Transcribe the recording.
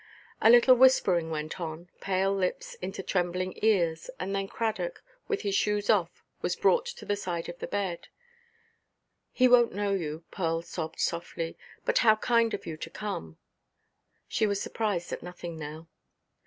A little whispering went on, pale lips into trembling ears, and then Cradock, with his shoes off, was brought to the side of the bed. "He wonʼt know you," Pearl sobbed softly; "but how kind of you to come!" She was surprised at nothing now.